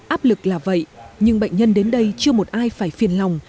áp lực là vậy nhưng bệnh nhân đến đây chưa một ai phải phiền lòng